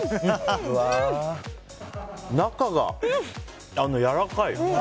中がやわらかい。